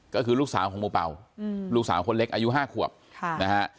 ก็คือลูกสาวของหมู่เป่าลูกสาวคนเล็กอายุ๕ขวบนะฮะ